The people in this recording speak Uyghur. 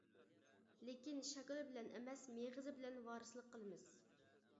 لېكىن شاكىلى بىلەن ئەمەس، مېغىزى بىلەن ۋارىسلىق قىلىمىز.